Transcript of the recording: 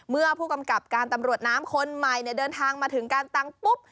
เมื่อผู้กำกับการตำรวจน้ำคนใหม่เดินทางมาถึงการตังปุ๊บ